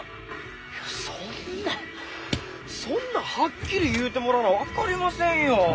いやそんなそんなんはっきり言うてもらわな分かりませんよ。